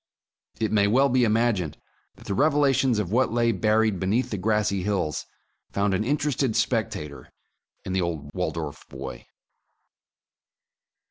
It may well be imagined that the revelations of what lay buried beneath the grassy hills found an interested spectator in the old Waldorf boy.